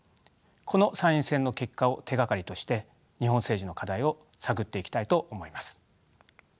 この参院選の結果を手がかりとして日本政治の課題を探っていきたいと思います。